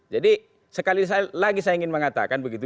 jadi sekali lagi saya ingin mengatakan begitu